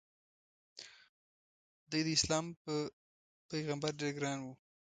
د ی داسلام په پیغمبر ډېر ګران و.